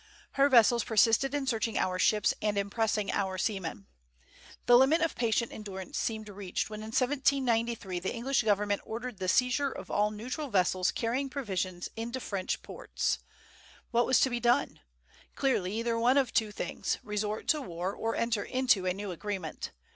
Her vessels persisted in searching our ships and impressing our seamen. The limit of patient endurance seemed reached when in 1793 the English government ordered the seizure of all neutral vessels carrying provisions to French ports. What was to be done? Clearly either one of two things: resort to war or enter into a new agreement.